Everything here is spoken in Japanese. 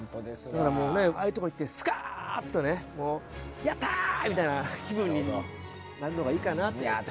だからもうねああいうとこ行ってスカッとねもうやった！みたいな気分になるのがいいかなって言って。